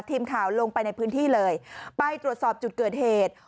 ทีมข่าวลงไปในพื้นที่เลยไปตรวจสอบจุดเกิดเหตุ